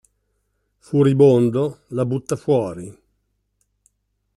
Furibondo, la butta fuori.